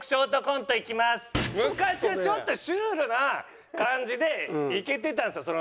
昔はちょっとシュールな感じでいけてたんですよ